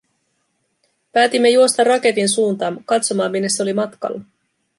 Päätimme juosta raketin suuntaan, katsomaan minne se oli matkalla.